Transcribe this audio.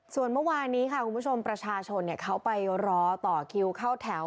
ส่วนเมื่อวานนี้ค่ะคุณผู้ชมประชาชนเขาไปรอต่อคิวเข้าแถว